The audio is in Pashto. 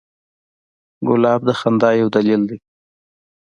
ګلاب د خندا یو دلیل دی.